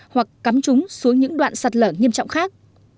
hoặc cắm trúng xuống những đoạn sạt lở nghiêm trọng khác